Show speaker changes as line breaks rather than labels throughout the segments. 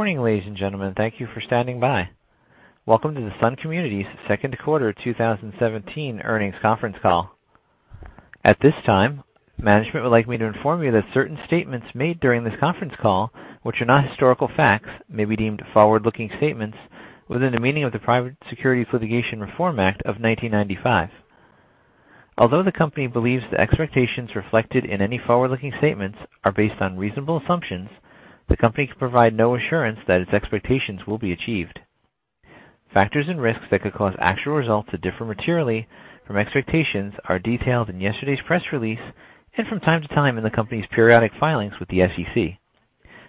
Good morning, ladies and gentlemen. Thank you for standing by. Welcome to the Sun Communities second quarter 2017 earnings conference call. At this time, management would like me to inform you that certain statements made during this conference call, which are not historical facts, may be deemed forward-looking statements within the meaning of the Private Securities Litigation Reform Act of 1995. Although the company believes the expectations reflected in any forward-looking statements are based on reasonable assumptions, the company can provide no assurance that its expectations will be achieved. Factors and risks that could cause actual results to differ materially from expectations are detailed in yesterday's press release and from time to time in the company's periodic filings with the SEC.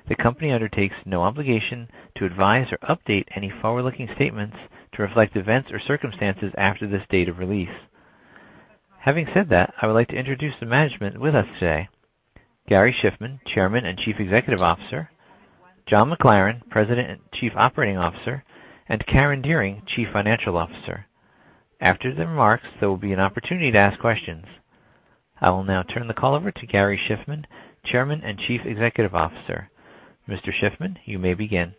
The company undertakes no obligation to advise or update any forward-looking statements to reflect events or circumstances after this date of release. Having said that, I would like to introduce the management with us today, Gary Shiffman, Chairman and Chief Executive Officer, John McLaren, President and Chief Operating Officer, and Karen Dearing, Chief Financial Officer. After the remarks, there will be an opportunity to ask questions. I will now turn the call over to Gary Shiffman, Chairman and Chief Executive Officer. Mr. Shiffman, you may begin.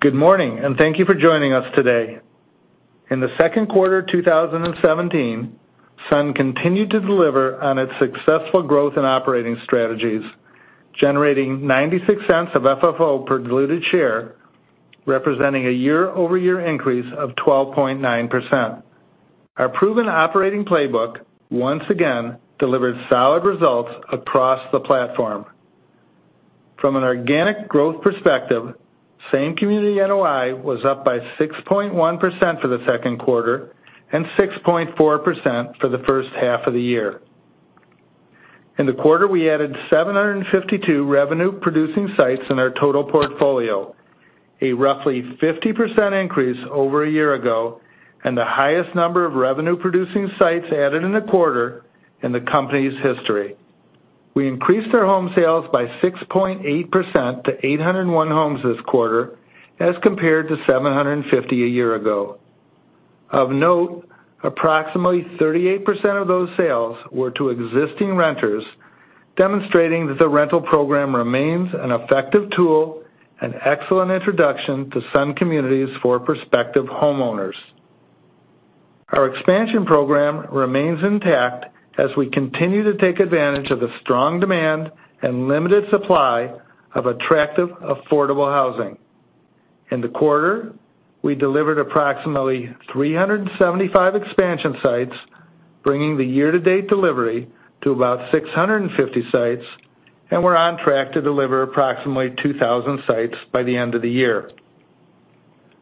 Good morning, and thank you for joining us today. In the second quarter of 2017, Sun continued to deliver on its successful growth and operating strategies, generating $0.96 of FFO per diluted share, representing a year-over-year increase of 12.9%. Our proven operating playbook once again delivered solid results across the platform. From an organic growth perspective, same community NOI was up by 6.1% for the second quarter and 6.4% for the first half of the year. In the quarter, we added 752 revenue-producing sites in our total portfolio, a roughly 50% increase over a year ago and the highest number of revenue-producing sites added in a quarter in the company's history. We increased our home sales by 6.8% to 801 homes this quarter, as compared to 750 a year ago. Of note, approximately 38% of those sales were to existing renters, demonstrating that the rental program remains an effective tool and excellent introduction to Sun Communities for prospective homeowners. Our expansion program remains intact as we continue to take advantage of the strong demand and limited supply of attractive, affordable housing. In the quarter, we delivered approximately 375 expansion sites, bringing the year-to-date delivery to about 650 sites, and we're on track to deliver approximately 2,000 sites by the end of the year.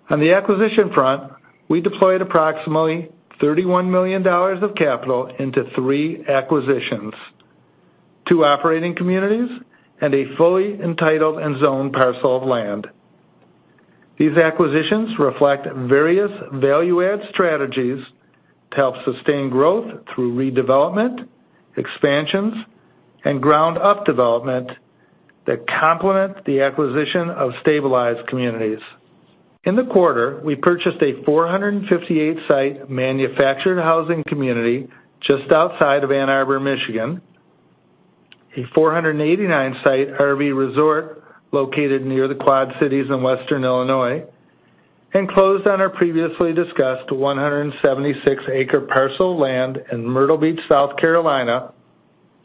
On the acquisition front, we deployed approximately $31 million of capital into three acquisitions, two operating communities, and a fully entitled and zoned parcel of land. These acquisitions reflect various value-add strategies to help sustain growth through redevelopment, expansions, and ground-up development that complement the acquisition of stabilized communities. In the quarter, we purchased a 458-site manufactured housing community just outside of Ann Arbor, Michigan, a 489-site RV resort located near the Quad Cities in Western Illinois, and closed on our previously discussed 176-acre parcel of land in Myrtle Beach, South Carolina,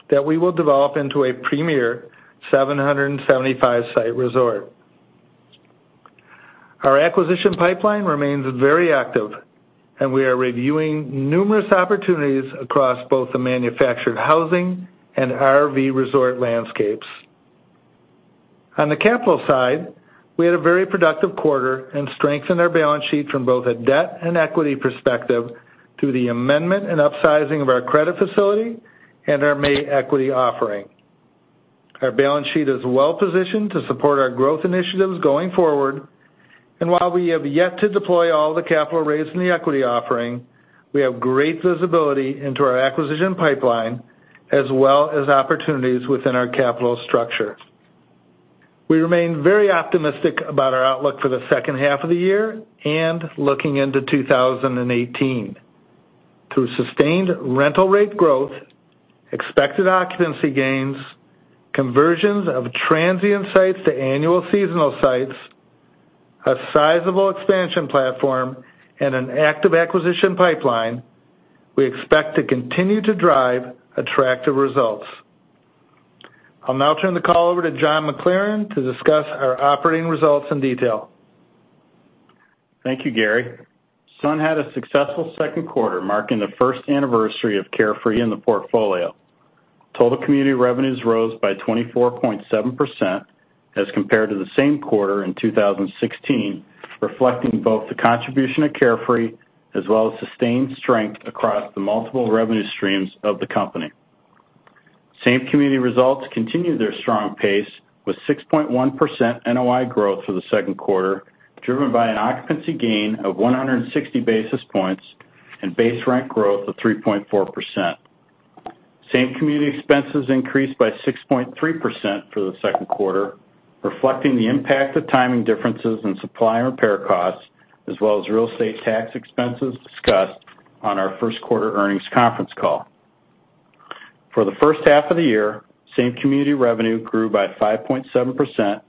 that we will develop into a premier 775-site resort. Our acquisition pipeline remains very active, and we are reviewing numerous opportunities across both the manufactured housing and RV resort landscapes. On the capital side, we had a very productive quarter and strengthened our balance sheet from both a debt and equity perspective through the amendment and upsizing of our credit facility and our May equity offering. Our balance sheet is well positioned to support our growth initiatives going forward, and while we have yet to deploy all the capital raised in the equity offering, we have great visibility into our acquisition pipeline, as well as opportunities within our capital structure. We remain very optimistic about our outlook for the second half of the year and looking into 2018. Through sustained rental rate growth, expected occupancy gains, conversions of transient sites to annual seasonal sites, a sizable expansion platform, and an active acquisition pipeline, we expect to continue to drive attractive results. I'll now turn the call over to John McLaren to discuss our operating results in detail.
Thank you, Gary. Sun had a successful second quarter, marking the first anniversary of Carefree in the portfolio. Total community revenues rose by 24.7% as compared to the same quarter in 2016, reflecting both the contribution of Carefree as well as sustained strength across the multiple revenue streams of the company. Same-community results continued their strong pace, with 6.1% NOI growth for the second quarter, driven by an occupancy gain of 160 basis points and base rent growth of 3.4%. Same-community expenses increased by 6.3% for the second quarter, reflecting the impact of timing differences in supply and repair costs, as well as real estate tax expenses discussed on our first quarter earnings conference call. For the first half of the year, same-community revenue grew by 5.7%,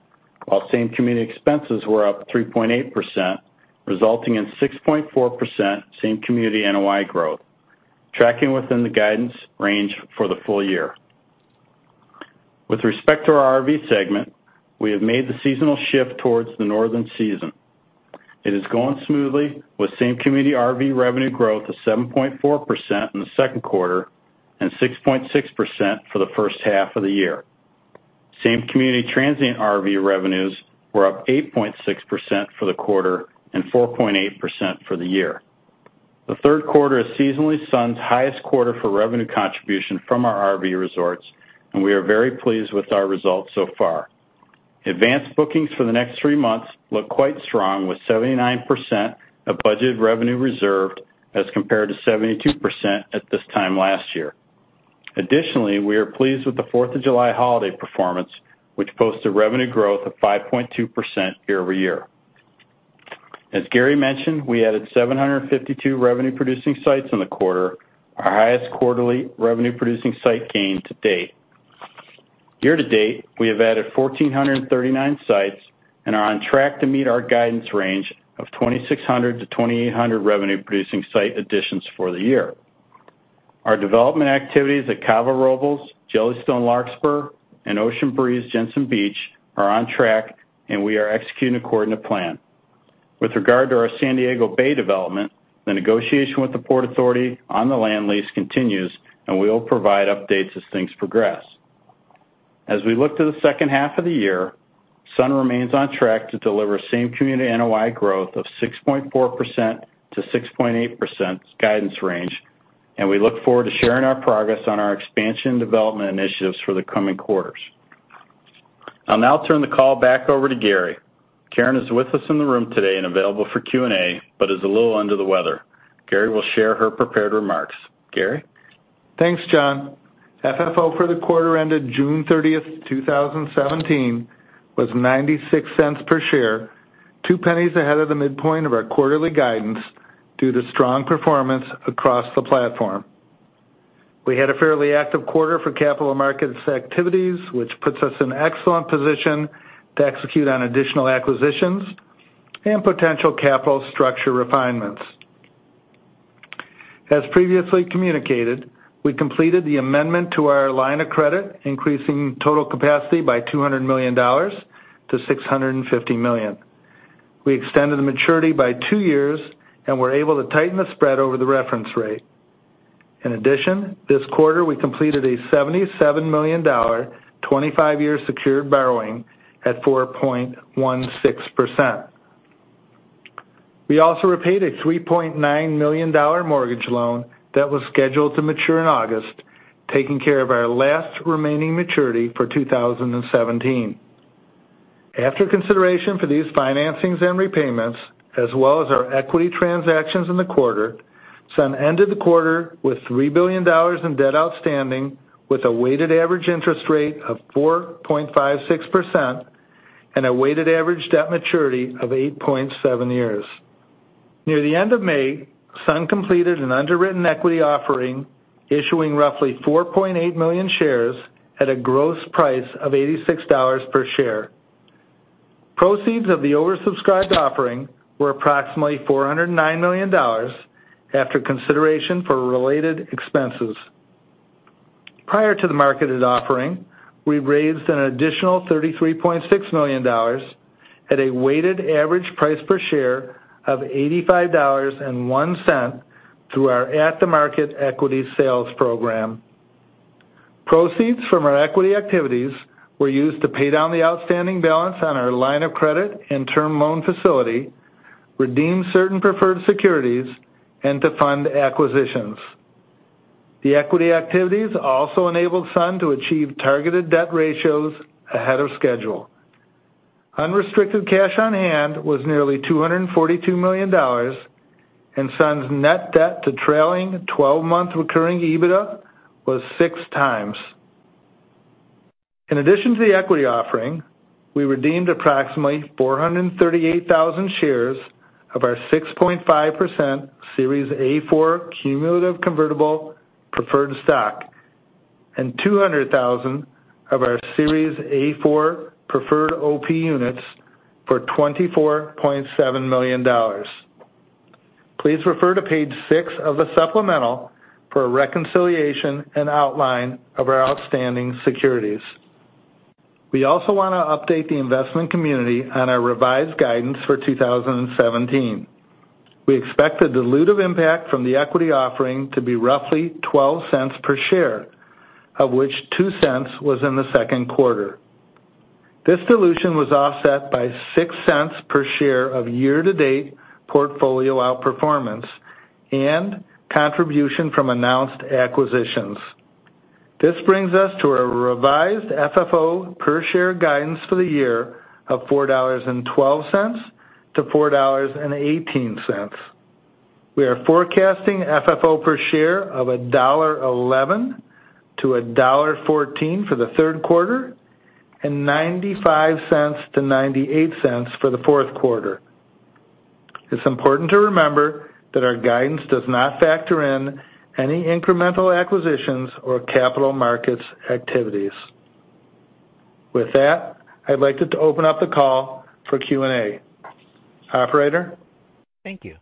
while same-community expenses were up 3.8%, resulting in 6.4% same-community NOI growth, tracking within the guidance range for the full year. With respect to our RV segment, we have made the seasonal shift towards the northern season. It is going smoothly, with same-community RV revenue growth of 7.4% in the second quarter and 6.6% for the first half of the year. Same-community transient RV revenues were up 8.6% for the quarter and 4.8% for the year. The third quarter is seasonally Sun's highest quarter for revenue contribution from our RV resorts, and we are very pleased with our results so far. Advanced bookings for the next three months look quite strong, with 79% of budgeted revenue reserved, as compared to 72% at this time last year. Additionally, we are pleased with the Fourth of July holiday performance, which posted revenue growth of 5.2% year-over-year. As Gary mentioned, we added 752 revenue-producing sites in the quarter, our highest quarterly revenue-producing site gain to date. Year to date, we have added 1,439 sites and are on track to meet our guidance range of 2,600 to 2,800 revenue-producing site additions for the year. Our development activities at Cava Robles, Jellystone Larkspur, and Ocean Breeze Jensen Beach are on track, and we are executing according to plan. With regard to our San Diego Bay development, the negotiation with the Port Authority on the land lease continues, and we will provide updates as things progress. As we look to the second half of the year, Sun remains on track to deliver same-community NOI growth of 6.4%-6.8% guidance range, and we look forward to sharing our progress on our expansion and development initiatives for the coming quarters. I'll now turn the call back over to Gary. Karen is with us in the room today and available for Q&A, but is a little under the weather. Gary will share her prepared remarks. Gary?
Thanks, John. FFO for the quarter ended June 30th, 2017, was $0.96 per share, $0.02 ahead of the midpoint of our quarterly guidance due to strong performance across the platform. We had a fairly active quarter for capital markets activities, which puts us in excellent position to execute on additional acquisitions and potential capital structure refinements. As previously communicated, we completed the amendment to our line of credit, increasing total capacity by $200 million to $650 million. We extended the maturity by two years and were able to tighten the spread over the reference rate. In addition, this quarter, we completed a $77 million, 25-year secured borrowing at 4.16%. We also repaid a $3.9 million mortgage loan that was scheduled to mature in August, taking care of our last remaining maturity for 2017. After consideration for these financings and repayments, as well as our equity transactions in the quarter, Sun ended the quarter with $3 billion in debt outstanding, with a weighted average interest rate of 4.56% and a weighted average debt maturity of 8.7 years. Near the end of May, Sun completed an underwritten equity offering, issuing roughly 4.8 million shares at a gross price of $86 per share. Proceeds of the oversubscribed offering were approximately $409 million after consideration for related expenses. Prior to the marketed offering, we raised an additional $33.6 million at a weighted average price per share of $85.01 through our at-the-market equity sales program. Proceeds from our equity activities were used to pay down the outstanding balance on our line of credit and term loan facility, redeem certain preferred securities, and to fund acquisitions. The equity activities also enabled Sun to achieve targeted debt ratios ahead of schedule. Unrestricted cash on hand was nearly $242 million, and SUN's net debt to trailing twelve-month recurring EBITDA was 6x. In addition to the equity offering, we redeemed approximately 438,000 shares of our 6.5% Series A-4 cumulative convertible preferred stock and 200,000 of our Series A-4 preferred OP units for $24.7 million. Please refer to page 6 of the supplemental for a reconciliation and outline of our outstanding securities. We also want to update the investment community on our revised guidance for 2017. We expect the dilutive impact from the equity offering to be roughly $0.12 per share, of which $0.02 was in the second quarter. This dilution was offset by $0.06 per share of year-to-date portfolio outperformance and contribution from announced acquisitions. This brings us to a revised FFO per share guidance for the year of $4.12-$4.18. We are forecasting FFO per share of $1.11-$1.14 for the third quarter and $0.95-$0.98 for the fourth quarter... It's important to remember that our guidance does not factor in any incremental acquisitions or capital markets activities. With that, I'd like to open up the call for Q&A. Operator?
Thank you.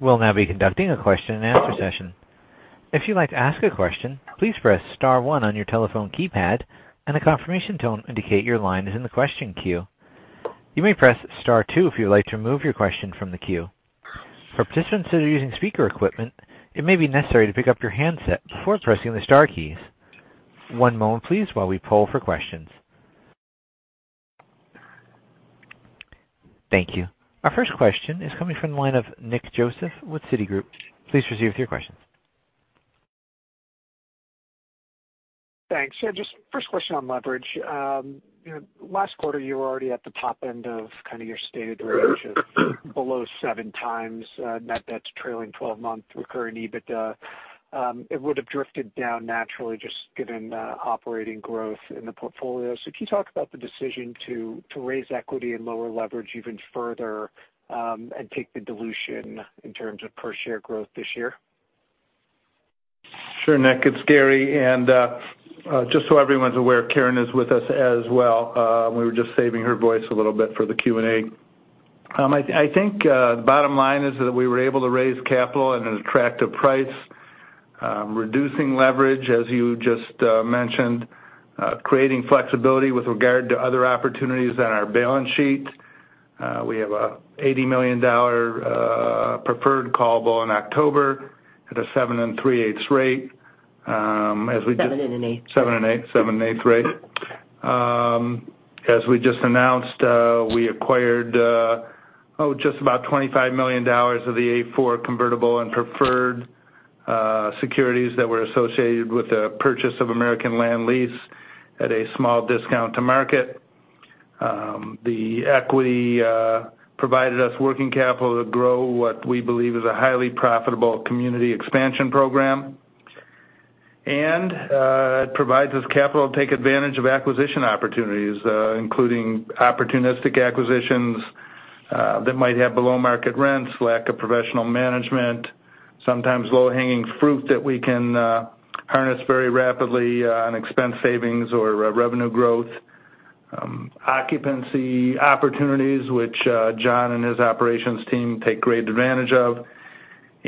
We'll now be conducting a question-and-answer session. If you'd like to ask a question, please press star one on your telephone keypad, and a confirmation tone indicate your line is in the question queue. You may press star two if you'd like to remove your question from the queue. For participants that are using speaker equipment, it may be necessary to pick up your handset before pressing the star keys. One moment please, while we poll for questions. Thank you. Our first question is coming from the line of Nick Joseph with Citigroup. Please proceed with your questions.
Thanks. So just first question on leverage. Last quarter, you were already at the top end of kind of your stated range of below 7x net debt to trailing twelve-month recurring EBITDA. It would have drifted down naturally, just given operating growth in the portfolio. So can you talk about the decision to raise equity and lower leverage even further, and take the dilution in terms of per share growth this year?
Sure, Nick, it's Gary, and just so everyone's aware, Karen is with us as well. We were just saving her voice a little bit for the Q&A. I think the bottom line is that we were able to raise capital at an attractive price, reducing leverage, as you just mentioned, creating flexibility with regard to other opportunities on our balance sheet. We have an $80 million preferred callable in October at a 7.375% rate, as we 7 1/8. As we just announced, we acquired just about $25 million of the A4 convertible and preferred securities that were associated with the purchase of American Land Lease at a small discount to market. The equity provided us working capital to grow what we believe is a highly profitable community expansion program. It provides us capital to take advantage of acquisition opportunities, including opportunistic acquisitions that might have below-market rents, lack of professional management, sometimes low-hanging fruit that we can harness very rapidly on expense savings or revenue growth, occupancy opportunities, which John and his operations team take great advantage of,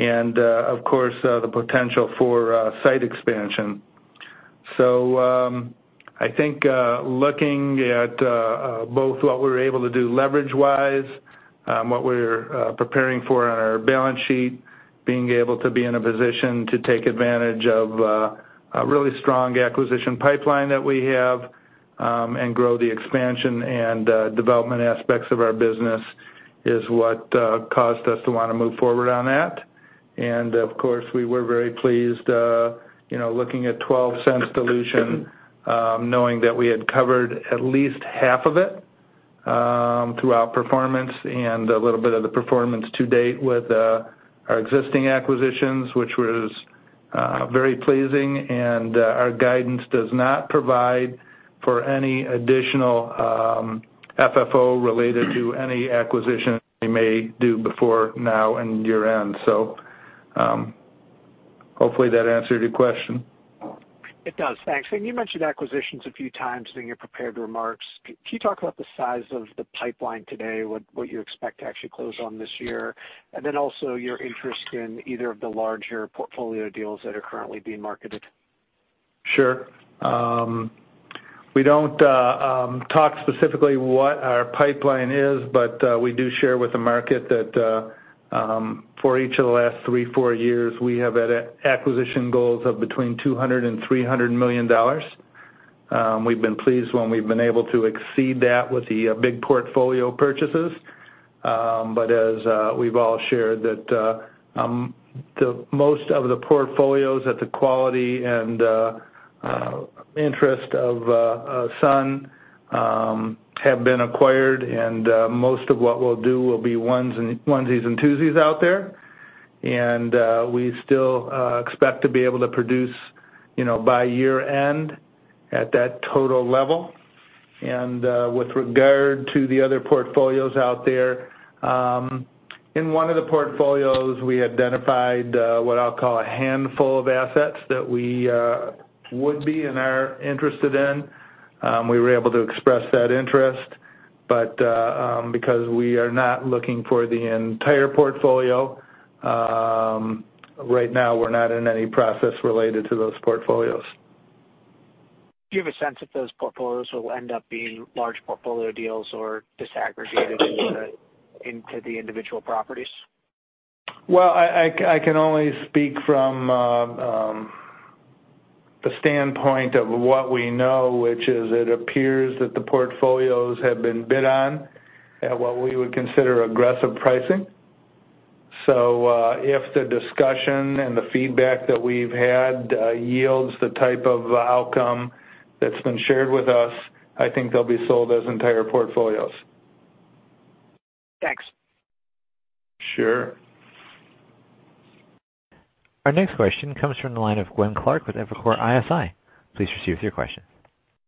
and of course the potential for site expansion. So, I think, looking at both what we were able to do leverage-wise, what we're preparing for on our balance sheet, being able to be in a position to take advantage of a really strong acquisition pipeline that we have, and grow the expansion and development aspects of our business is what caused us to want to move forward on that. And of course, we were very pleased, you know, looking at $0.12 dilution, knowing that we had covered at least half of it through our performance and a little bit of the performance to date with our existing acquisitions, which was very pleasing. And our guidance does not provide for any additional FFO related to any acquisition we may do before now and year-end. So, hopefully, that answered your question.
It does. Thanks. And you mentioned acquisitions a few times in your prepared remarks. Can you talk about the size of the pipeline today, what you expect to actually close on this year, and then also your interest in either of the larger portfolio deals that are currently being marketed?
Sure. We don't talk specifically what our pipeline is, but we do share with the market that, for each of the last three to four years, we have had acquisition goals of between $200 million and $300 million. We've been pleased when we've been able to exceed that with the big portfolio purchases. But as we've all shared that, the most of the portfolios at the quality and interest of Sun have been acquired, and most of what we'll do will be onesies and twosies out there. And we still expect to be able to produce, you know, by year-end at that total level. With regard to the other portfolios out there, in one of the portfolios, we identified what I'll call a handful of assets that we would be and are interested in. We were able to express that interest, but because we are not looking for the entire portfolio right now, we're not in any process related to those portfolios.
Do you have a sense if those portfolios will end up being large portfolio deals or disaggregated into the, into the individual properties?
Well, I can only speak from the standpoint of what we know, which is it appears that the portfolios have been bid on at what we would consider aggressive pricing. So, if the discussion and the feedback that we've had yields the type of outcome that's been shared with us, I think they'll be sold as entire portfolios.
Thanks.
Sure.
Our next question comes from the line of Gwen Clark with Evercore ISI. Please proceed with your question.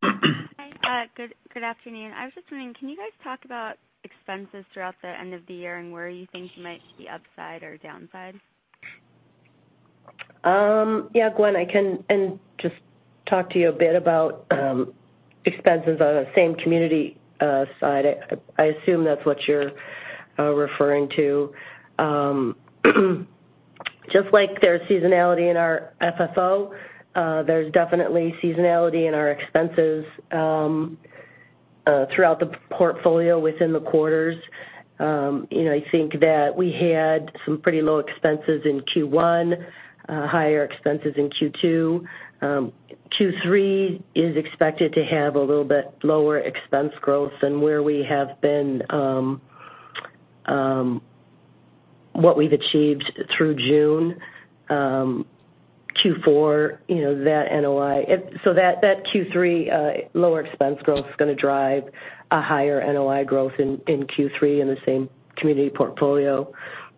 Hi, good afternoon. I was just wondering, can you guys talk about expenses throughout the end of the year and where you think you might be upside or downside?
Yeah, Gwen, I can and just talk to you a bit about expenses on the same community side. I assume that's what you're referring to. Just like there's seasonality in our FFO, there's definitely seasonality in our expenses throughout the portfolio within the quarters. You know, I think that we had some pretty low expenses in Q1, higher expenses in Q2. Q3 is expected to have a little bit lower expense growth than where we have been, what we've achieved through June. Q4, you know, that NOI so that Q3 lower expense growth is gonna drive a higher NOI growth in Q3 in the same community portfolio.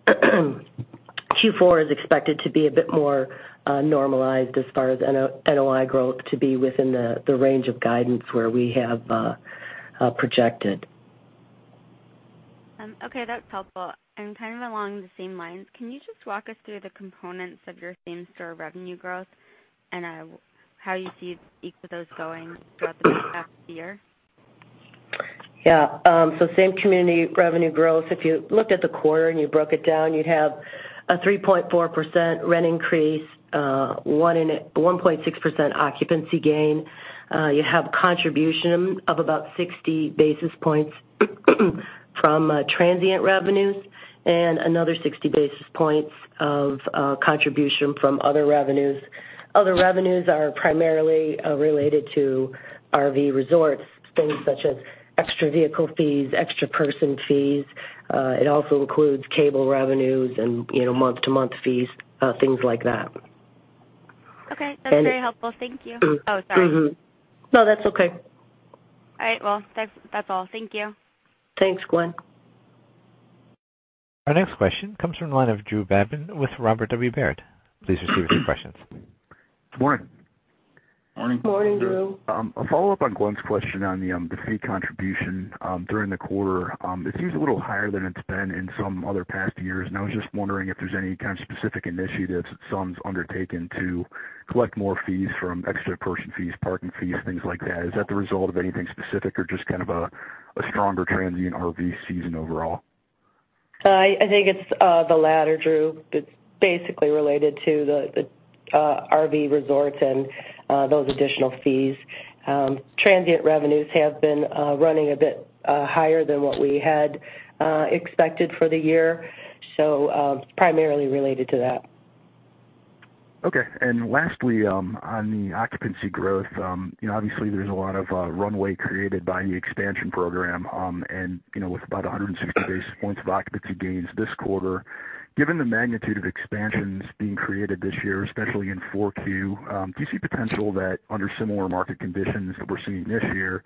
Q4 is expected to be a bit more normalized as far as NOI growth to be within the range of guidance where we have projected.
Okay, that's helpful. And kind of along the same lines, can you just walk us through the components of your same-store revenue growth and how you see each of those going throughout the next year?
Yeah, so same community revenue growth, if you looked at the quarter and you broke it down, you'd have a 3.4% rent increase, 1.6 occupancy gain. You'd have contribution of about 60 basis points from transient revenues and another 60 basis points of contribution from other revenues. Other revenues are primarily related to RV resorts, things such as extra vehicle fees, extra person fees. It also includes cable revenues and, you know, month-to-month fees, things like that.
Okay.
And-
That's very helpful. Thank you.
Mm-hmm.
Oh, sorry.
Mm-hmm. No, that's okay.
All right. Well, that's, that's all. Thank you.
Thanks, Gwen.
Our next question comes from the line of Drew Babin with Robert W. Baird. Please proceed with your questions.
Good morning.
Morning.
Morning, Drew.
A follow-up on Gwen's question on the fee contribution during the quarter. It seems a little higher than it's been in some other past years, and I was just wondering if there's any kind of specific initiatives that Sun's undertaken to collect more fees from extra person fees, parking fees, things like that. Is that the result of anything specific or just kind of a stronger transient RV season overall?
I think it's the latter, Drew. It's basically related to the RV resorts and those additional fees. Transient revenues have been running a bit higher than what we had expected for the year, so primarily related to that.
Okay. And lastly, on the occupancy growth, you know, obviously, there's a lot of runway created by the expansion program, and, you know, with about 160 basis points of occupancy gains this quarter. Given the magnitude of expansions being created this year, especially in 4Q, do you see potential that under similar market conditions that we're seeing this year,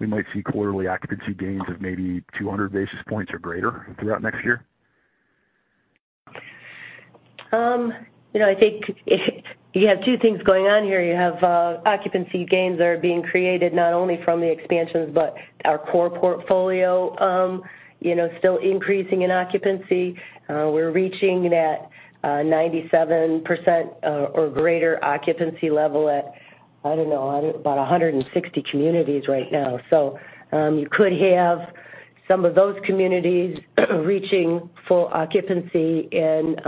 we might see quarterly occupancy gains of maybe 200 basis points or greater throughout next year?
You know, I think it, you have two things going on here. You have, occupancy gains that are being created not only from the expansions, but our core portfolio, you know, still increasing in occupancy. We're reaching that, 97% or greater occupancy level at, I don't know, on about 160 communities right now. So, you could have some of those communities reaching full occupancy and,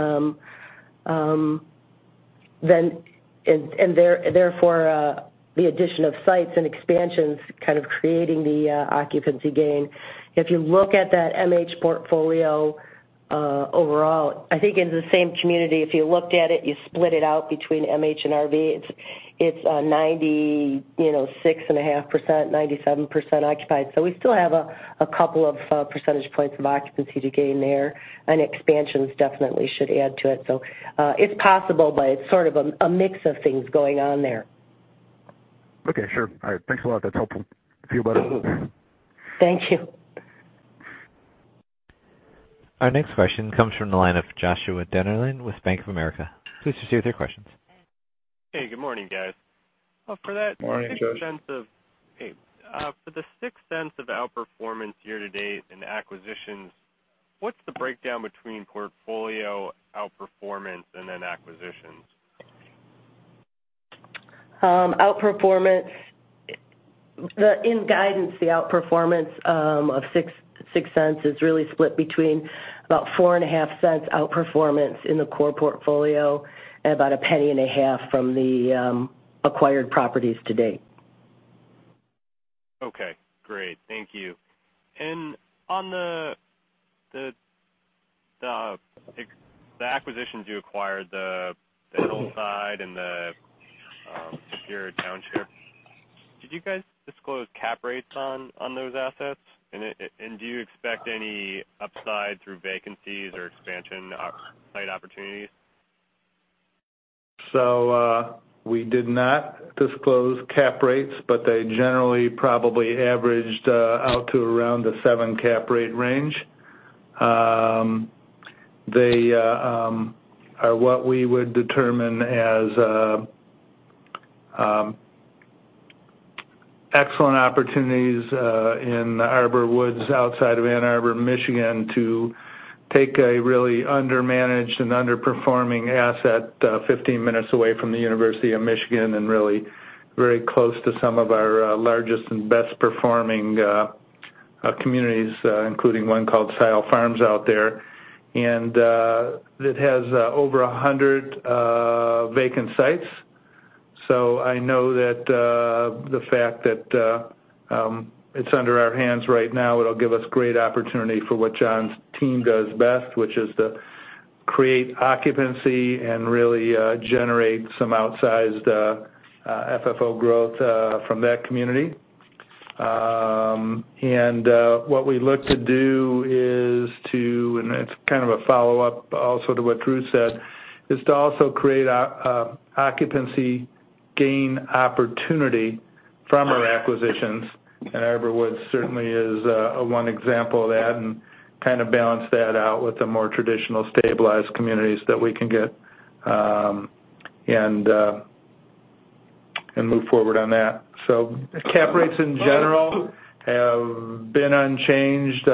then, and therefore, the addition of sites and expansions kind of creating the, occupancy gain. If you look at that MH portfolio, overall, I think in the same community, if you looked at it, you split it out between MH and RV, it's, 96.5%, 97% occupied. So we still have a couple of percentage points of occupancy to gain there, and expansions definitely should add to it. So, it's possible, but it's sort of a mix of things going on there.
Okay, sure. All right. Thanks a lot. That's helpful. See you, bye.
Mm-hmm. Thank you.
Our next question comes from the line of Joshua Dennerlein with Bank of America. Please proceed with your questions.
Hey, good morning, guys.
Morning, Joshua.
Well, for the sixth sense of outperformance year to date and acquisitions, what's the breakdown between portfolio outperformance and then acquisitions?
The outperformance in guidance of $0.06 is really split between about $0.045 outperformance in the core portfolio and about $0.015 from the acquired properties to date.
Okay, great. Thank you. And on the acquisitions, you acquired the Ann Arbor site and the Scio Township. Did you guys disclose cap rates on those assets? And do you expect any upside through vacancies or expansion site opportunities?
So, we did not disclose cap rates, but they generally probably averaged out to around the 7 cap rate range. They are what we would determine as excellent opportunities in Arbor Woods, outside of Ann Arbor, Michigan, to take a really undermanaged and underperforming asset 15 minutes away from the University of Michigan, and really very close to some of our largest and best-performing communities, including one called Scio Farms out there. It has over 100 vacant sites. So I know that it's under our hands right now, it'll give us great opportunity for what John's team does best, which is to create occupancy and really generate some outsized FFO growth from that community. What we look to do is to. And it's kind of a follow-up also to what Drew said, is to also create a occupancy gain opportunity from our acquisitions, and Arbor Woods certainly is one example of that, and kind of balance that out with the more traditional stabilized communities that we can get, and and move forward on that. So cap rates in general have been unchanged.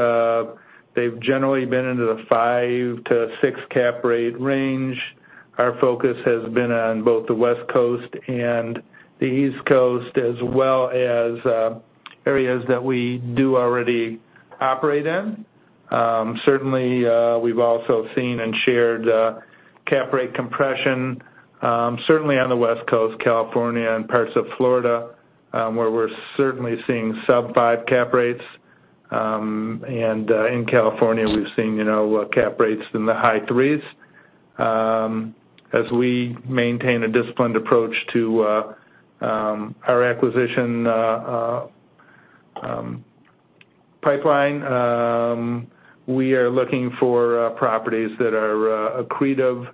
They've generally been into the 5-6 cap rate range. Our focus has been on both the West Coast and the East Coast, as well as, areas that we do already operate in. Certainly, we've also seen and shared cap rate compression, certainly on the West Coast, California, and parts of Florida, where we're certainly seeing sub-5 cap rates. And, in California, we've seen, you know, cap rates in the high 3s. As we maintain a disciplined approach to our acquisition pipeline, we are looking for properties that are accretive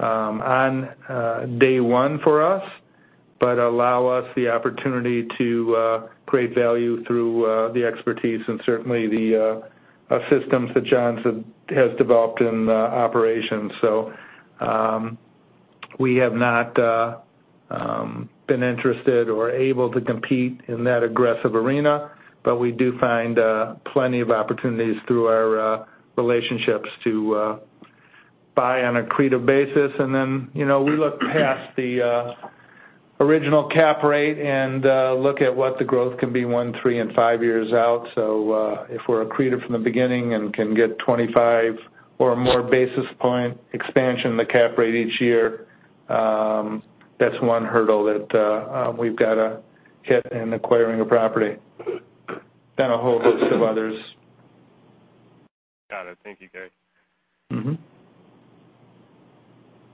on day one for us, but allow us the opportunity to create value through the expertise and certainly the systems that John's had, has developed in operations. So, we have not been interested or able to compete in that aggressive arena, but we do find plenty of opportunities through our relationships to buy on accretive basis. And then, you know, we look past the original cap rate and look at what the growth can be one, three, and five years out. So, if we're accretive from the beginning and can get 25 or more basis point expansion in the cap rate each year, that's one hurdle that we've got to hit in acquiring a property. Then a whole host of others.
Got it. Thank you, Gary.
Mm-hmm.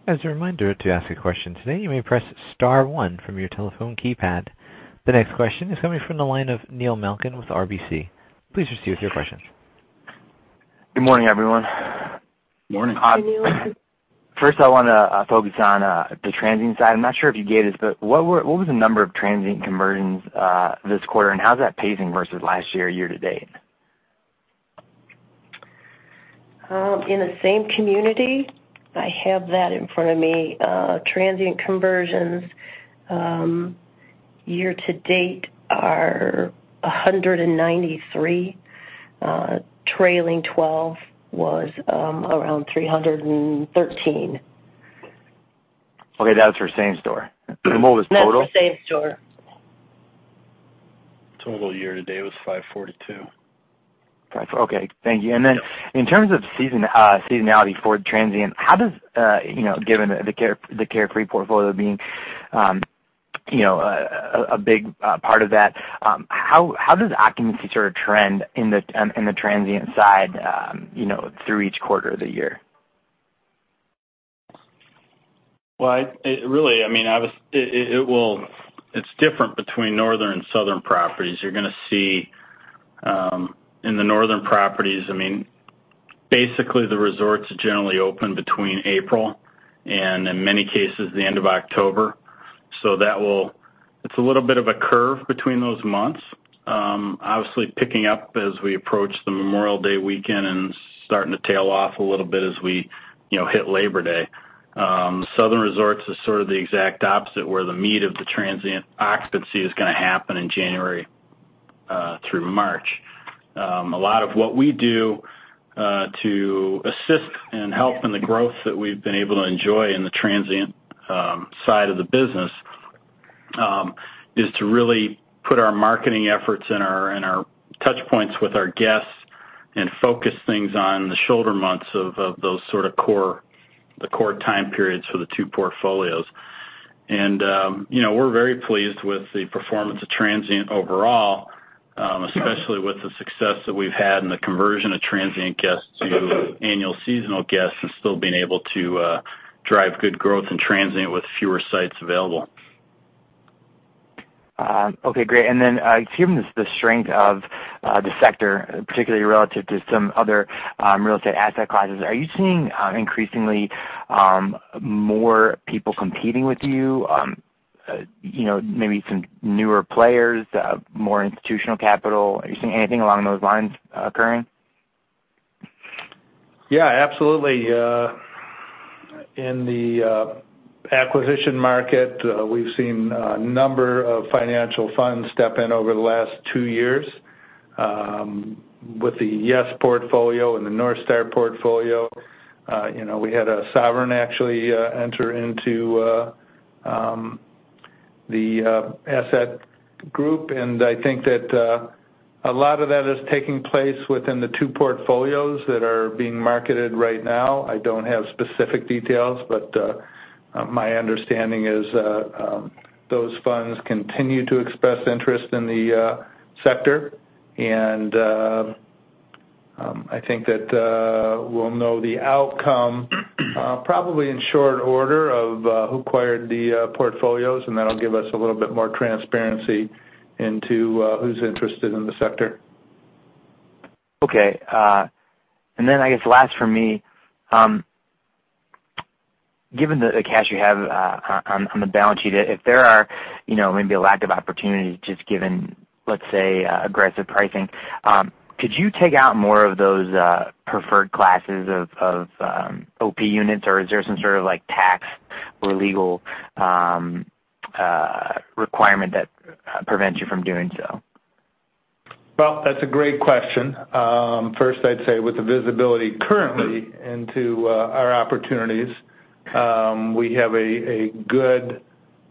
As a reminder, to ask a question today, you may press star one from your telephone keypad. The next question is coming from the line of Neil Malkin with RBC. Please proceed with your question.
Good morning, everyone.
Morning.
Hi, Neil.
First, I wanna focus on the transient side. I'm not sure if you gave this, but what were what was the number of transient conversions this quarter, and how's that pacing versus last year, year to date?
In the same community, I have that in front of me. Transient conversions, year to date are 193. Trailing twelve was, around 313.
Okay, that was for same store. And what was total?
That's the same store.
Total year to date was 542.
Five. Okay, thank you.
Yep.
And then, in terms of seasonality for transient, how does, you know, given the Carefree portfolio being, you know, a big part of that, how does occupancy sort of trend in the transient side, you know, through each quarter of the year?
Well, it really, I mean, obviously, it will. It's different between northern and southern properties. You're gonna see in the northern properties, I mean, basically, the resorts generally open between April and in many cases, the end of October. So that will, it's a little bit of a curve between those months. Obviously, picking up as we approach the Memorial Day weekend and starting to tail off a little bit as we, you know, hit Labor Day. Southern resorts is sort of the exact opposite, where the meat of the transient occupancy is gonna happen in January through March. A lot of what we do to assist and help in the growth that we've been able to enjoy in the transient side of the business is to really put our marketing efforts and our touch points with our guests and focus things on the shoulder months of those sort of core time periods for the two portfolios. You know, we're very pleased with the performance of transient overall, especially with the success that we've had in the conversion of transient guests to annual seasonal guests, and still being able to drive good growth in transient with fewer sites available.
Okay, great. And then, given the strength of the sector, particularly relative to some other real estate asset classes, are you seeing increasingly more people competing with you, you know, maybe some newer players, more institutional capital. Are you seeing anything along those lines occurring?
Yeah, absolutely. In the acquisition market, we've seen a number of financial funds step in over the last two years, with the Yes portfolio and the NorthStar portfolio. You know, we had a sovereign actually enter into the asset group, and I think that a lot of that is taking place within the two portfolios that are being marketed right now. I don't have specific details, but my understanding is those funds continue to express interest in the sector. And I think that we'll know the outcome probably in short order of who acquired the portfolios, and that'll give us a little bit more transparency into who's interested in the sector.
Okay. And then I guess last for me, given the cash you have on the balance sheet, if there are, you know, maybe a lack of opportunity, just given, let's say, aggressive pricing, could you take out more of those preferred classes of OP units, or is there some sort of, like, tax or legal requirement that prevents you from doing so?
Well, that's a great question. First, I'd say with the visibility currently into our opportunities, we have a good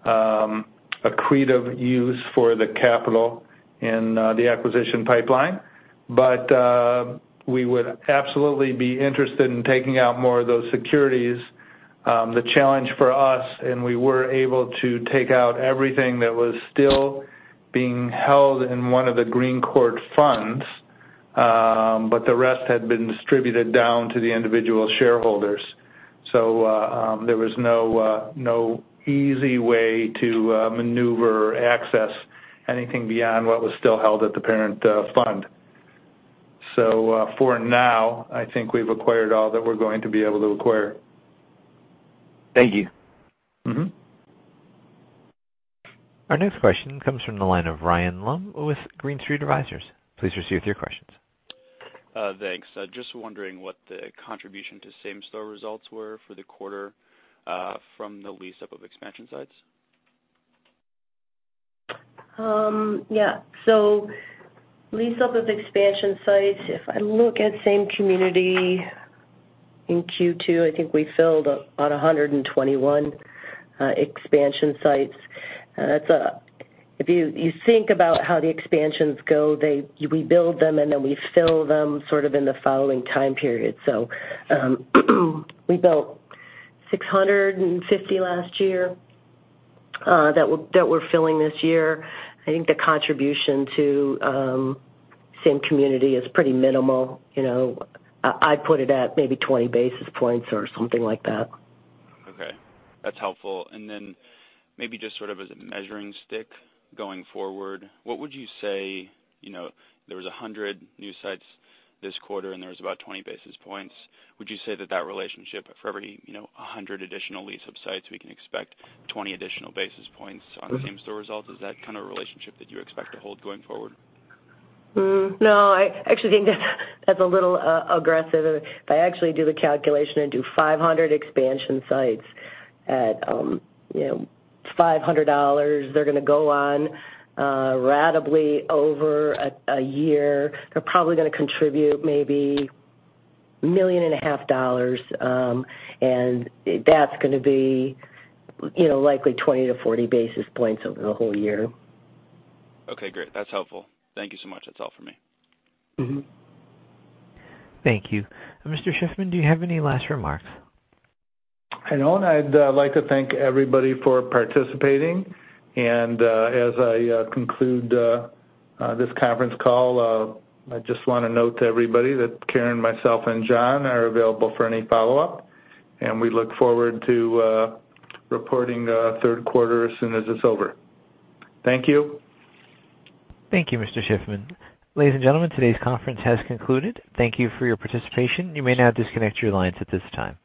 accretive use for the capital in the acquisition pipeline, but we would absolutely be interested in taking out more of those securities. The challenge for us, and we were able to take out everything that was still being held in one of the Green Courte funds, but the rest had been distributed down to the individual shareholders. So, there was no easy way to maneuver or access anything beyond what was still held at the parent fund. So, for now, I think we've acquired all that we're going to be able to acquire.
Thank you.
Mm-hmm.
Our next question comes from the line of Ryan Lumb with Green Street Advisors. Please proceed with your questions.
Thanks. Just wondering what the contribution to same-store results were for the quarter from the lease up of expansion sites?
Yeah. So lease up of expansion sites, if I look at Same Community in Q2, I think we filled about 121 expansion sites. That's if you, you think about how the expansions go, they we build them, and then we fill them sort of in the following time period. So, we built 650 last year, that we're, that we're filling this year. I think the contribution to Same Community is pretty minimal. You know, I, I'd put it at maybe 20 basis points or something like that.
Okay, that's helpful. And then maybe just sort of as a measuring stick going forward, what would you say, you know, there was 100 new sites this quarter, and there was about 20 basis points. Would you say that that relationship for every, you know, 100 additional lease-up sites, we can expect 20 additional basis points?
Mm-hmm.
on the same store results? Is that kind of a relationship that you expect to hold going forward?
No, I actually think that's a little aggressive. If I actually do the calculation and do 500 expansion sites at, you know, $500, they're gonna go on ratably over a year. They're probably gonna contribute maybe $1.5 million, and that's gonna be, you know, likely 20-40 basis points over the whole year.
Okay, great. That's helpful. Thank you so much. That's all for me.
Mm-hmm.
Thank you. Mr. Shiffman, do you have any last remarks?
I don't. I'd like to thank everybody for participating. As I conclude this conference call, I just wanna note to everybody that Karen, myself, and John are available for any follow-up, and we look forward to reporting the third quarter as soon as it's over. Thank you.
Thank you, Mr. Shiffman. Ladies and gentlemen, today's conference has concluded. Thank you for your participation. You may now disconnect your lines at this time.